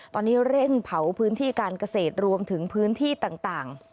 ตอนนี้เร่งเผาพื้นที่การเกษตรรวมถึงพื้นที่ต่าง